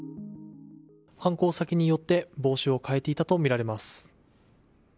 犯行先によって帽子を変えていたとみられます。